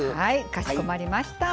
かしこまりました。